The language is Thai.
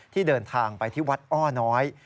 ที่เดินทางไปที่วัดอ้อน้อย